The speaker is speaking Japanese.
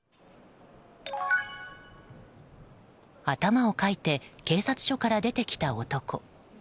頭をかいて警察署から出てきた男。